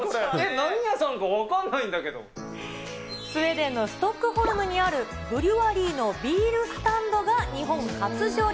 何屋さんか分かんないんだけスウェーデンのストックホルムにある、ブリュワリーのビールスタンドが日本初上陸。